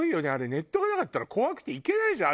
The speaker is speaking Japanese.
ネットがなかったら怖くて行けないじゃん